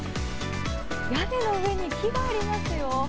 屋根の上に木がありますよ。